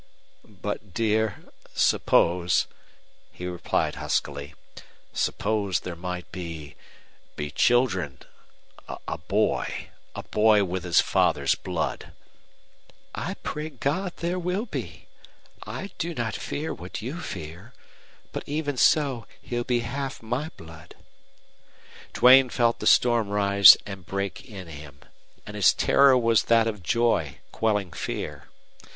"But, dear suppose," he replied, huskily, "suppose there might be be children a boy. A boy with his father's blood!" "I pray God there will be. I do not fear what you fear. But even so he'll be half my blood." Duane felt the storm rise and break in him. And his terror was that of joy quelling fear.